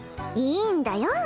いいんだよ